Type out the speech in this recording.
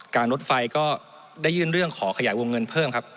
การนดสรรค์ไฟก็ได้ยืนเรื่องขอขยายวงเงินเพิ่มครับ